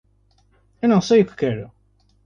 Eu não sei o que quero.